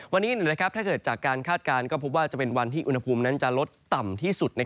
วันนี้ถ้าเกิดจากการคาดการณ์ก็พบว่าจะเป็นวันที่อุณหภูมินั้นจะลดต่ำที่สุด